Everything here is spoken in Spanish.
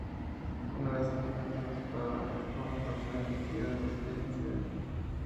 Una vez que encuentra una espada, el joven procede a investigar el misterioso incidente.